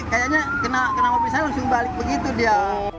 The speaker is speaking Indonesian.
kayaknya kenapa saya langsung balik begitu dia